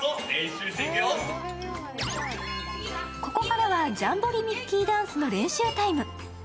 ここからはジャンボリミッキーダンスの練習タイム。